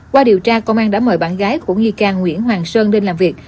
qua điều tra công an đã mời bạn gái của nghi can nguyễn hoàng sơn lên làm việc